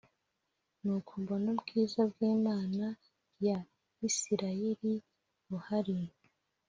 Nuko mbona ubwiza bw Imana ya Isirayeli buhari